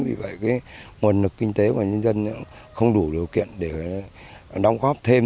vì vậy nguồn lực kinh tế của nhân dân không đủ điều kiện để đóng góp thêm